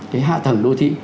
cái hạ tầng đô thị